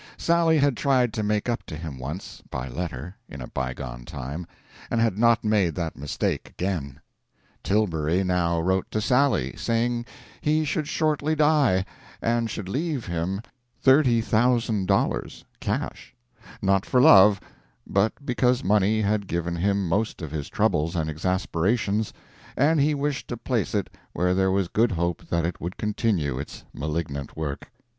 Sally had tried to make up to him once, by letter, in a bygone time, and had not made that mistake again. Tilbury now wrote to Sally, saying he should shortly die, and should leave him thirty thousand dollars, cash; not for love, but because money had given him most of his troubles and exasperations, and he wished to place it where there was good hope that it would continue its malignant work.